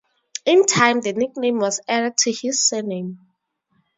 In time the nickname was added to his surname.